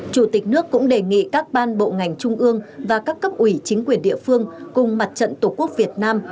chủ tịch nước cũng đề nghị các ban bộ ngành trung ương và các cấp ủy chính quyền địa phương cùng mặt trận tổ quốc việt nam